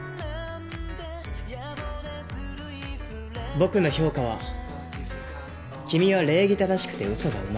僕の評価は君は礼儀正しくて嘘がうまい。